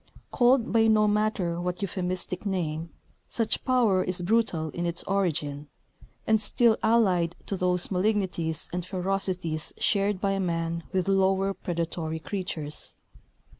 Called by no matter what euphemistic name, such power is brutal in its origin, and still allied to those malignities and ferocities shared by man with lower predatory creatures.